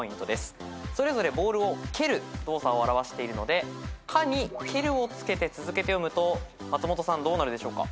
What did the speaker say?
それぞれボールを蹴る動作を表しているので「か」に「ける」をつけて続けて読むと松本さんどうなるでしょうか？